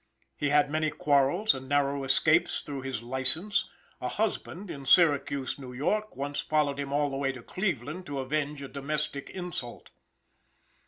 He had many quarrels and narrow escapes through his license, a husband in Syracuse, N. Y., once followed him all the way to Cleveland to avenge a domestic insult.